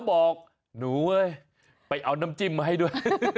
บอกหนูเว้ยไปเอาน้ำจิ้มมาให้ด้วย